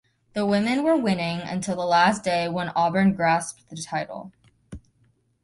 The women were winning until the last day when Auburn grasped the title.